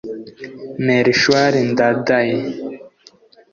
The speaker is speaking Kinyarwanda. Melchior Ndadaye